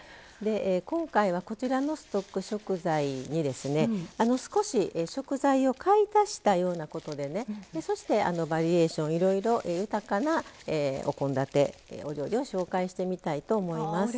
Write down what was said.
今回はこちらのストック食材に少し食材を買い足したようなことでそして、バリエーション豊かなお献立、料理を紹介してみたいと思います。